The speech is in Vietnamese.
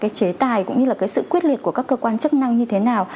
có chế tài cũng như sự quyết liệt của các cơ quan chức năng như thế nào